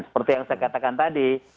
seperti yang saya katakan tadi